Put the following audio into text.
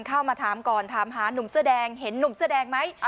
เข้ามาถามก่อนถามหานุ่มเสื้อแดงเห็นหนุ่มเสื้อแดงไหม